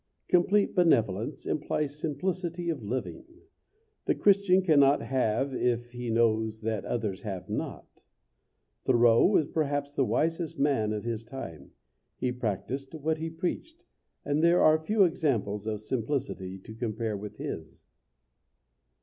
Complete benevolence implies simplicity of living. The Christian cannot have if he knows that others have not. Thoreau was perhaps the wisest man of his time; he practiced what he preached; and there are few examples of simplicity to compare with his.